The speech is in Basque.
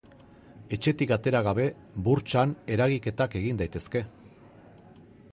Etxetik atera gabe burtsan eragiketak egin daitezke.